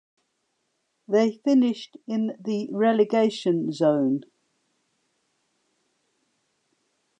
They finished in the relegation zone.